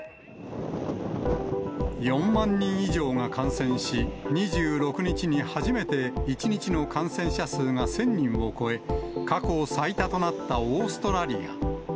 ４万人以上が感染し、２６日に初めて１日の感染者数が１０００人を超え、過去最多となったオーストラリア。